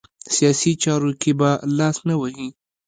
سیاسي چارو کې به لاس نه وهي.